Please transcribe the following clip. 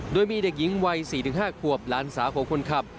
โดยมีเด็กหญิงวัย๔๕ขวบหลานสาวของคนขับ